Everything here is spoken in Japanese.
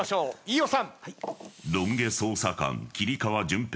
飯尾さん。